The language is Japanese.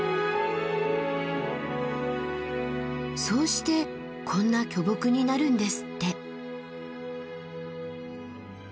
そうしてこんな巨木になるんですって。